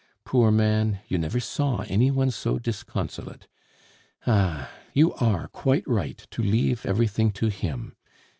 Poor man, you never saw any one so disconsolate! Ah! you are quite right to leave everything to him.